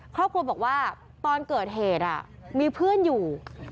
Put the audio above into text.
ครอบครัวบอกว่าตอนเกิดเหตุมีเพื่อนอยู่